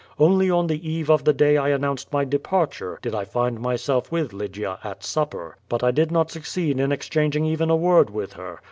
Only on the eve of the day I announced my departure did I find myself with Lygia at supper, but I did not succeed in exchanging even a word with her.